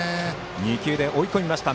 ２球で追い込みました。